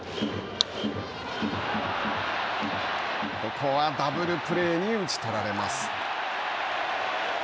ここはダブルプレーに打ち取られます。